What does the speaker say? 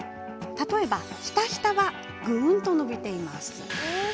例えば、ひたひたはぐーんと伸びています。